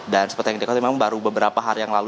dan seperti yang dikatakan memang baru beberapa hari yang lalu